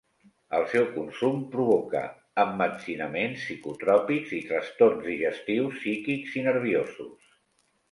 El seu consum provoca emmetzinaments psicotròpics i trastorns digestius, psíquics i nerviosos.